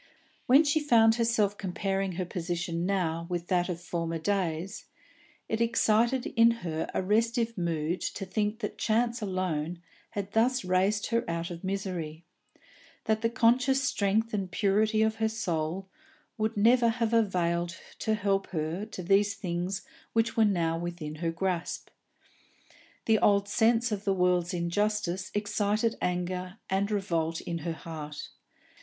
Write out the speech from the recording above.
When she found herself comparing her position now with that of former days, it excited in her a restive mood to think that chance alone had thus raised her out of misery, that the conscious strength and purity of her soul would never have availed to help her to the things which were now within her grasp. The old sense of the world's injustice excited anger and revolt in her heart.